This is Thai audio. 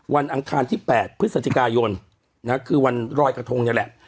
อังคารที่๘พฤศจิกายนคือวันรอยกระทงนี่แหละ